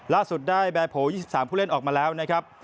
ล่าสุดได้แบร์โผล่๒๓ผู้เล่นออกมาแล้วนะครับ